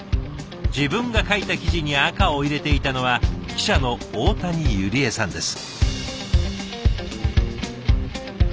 自分が書いた記事に赤を入れていたのは記者の大谷百合絵さんです。